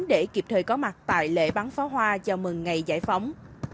để kịp thời có mặt tại lễ bắn pháo hoa chào mừng ngày giải phóng